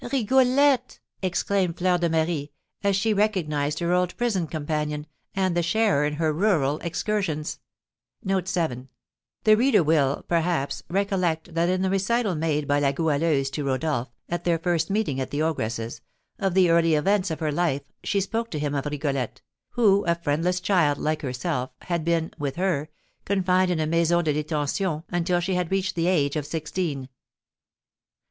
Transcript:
"Rigolette!" exclaimed Fleur de Marie, as she recognised her old prison companion, and the sharer in her rural excursions. The reader will, perhaps, recollect that in the recital made by La Goualeuse to Rodolph, at their first meeting at the ogress's, of the early events of her life, she spoke to him of Rigolette, who, a friendless child like herself, had been (with her) confined in a maison de detention until she had reached the age of sixteen.